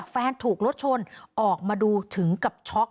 แฟนถูกรถชนออกมาดูถึงกับช็อก